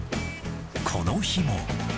この日も。